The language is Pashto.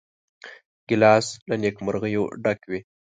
ګیلاس له نیکمرغیو ډک وي.